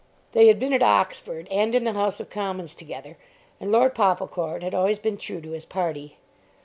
They had been at Oxford and in the House of Commons together, and Lord Popplecourt had always been true to his party.